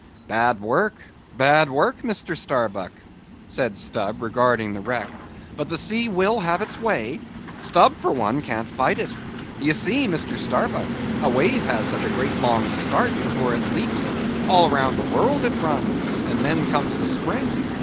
"Bad work, bad work! Mr. Starbuck," said Stubb, regarding the wreck, "but the sea will have its way. Stubb, for one, can't fight it. You see, Mr. Starbuck, a wave has such a great long start before it leaps, all round the world it runs, and then comes the spring!